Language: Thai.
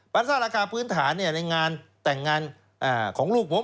ซ่าราคาพื้นฐานในงานแต่งงานของลูกผม